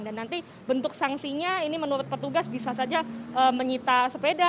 dan nanti bentuk sanksinya ini menurut petugas bisa saja menyita sepeda